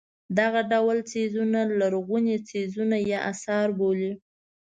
دغه ډول څیزونه لرغوني څیزونه یا اثار بولي.